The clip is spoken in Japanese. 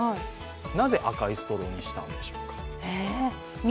なぜ赤いストローにしたんでしょうか？